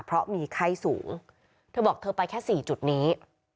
เพราะมีไข้สูงเธอบอกเธอไปแค่๔จุดนี้